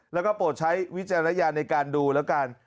แล้วก็โปรดใช้วิจารณญาณในการดูแล้วกัน